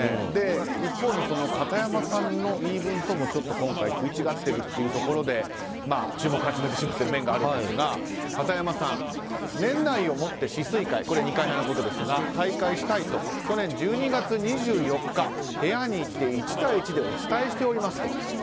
一方の片山さんの言い分とも今回、ちょっと食い違っているところで注目を集めてしまっている面があるんですが片山さん、年内を持って志帥会をこれは二階派のことですが退会したいと去年１２月２４日部屋に行って１対１でお伝えしておりますと。